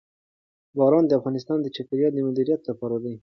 باران د افغانستان د چاپیریال د مدیریت لپاره دی.